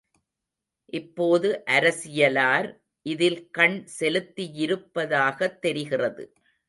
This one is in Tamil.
இப்போது அரசியலார் இதில் கண் செலுத்தியிருப்பதாகத் தெரிகிறது.